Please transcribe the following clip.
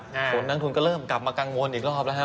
สวนน้างทุนก็เริ่มกลับมากังวลอีกรอบแหละฮะ